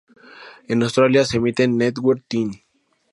En Australia se emite en Network Ten.